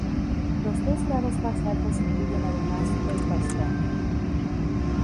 Los dos grados más altos incluyen además un bastón.